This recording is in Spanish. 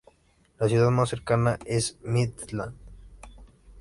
La ciudad más cercana es Midland.